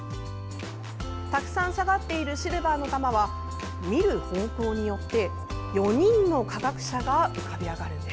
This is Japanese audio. たくさん下がっているシルバーの玉は見る方向によって４人の科学者が浮かび上がるんです。